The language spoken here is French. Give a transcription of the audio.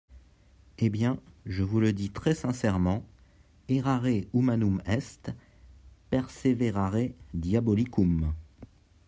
Eh bien, je vous le dis très sincèrement, errare humanum est, perseverare diabolicum.